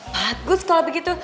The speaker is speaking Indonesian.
bagus kalau begitu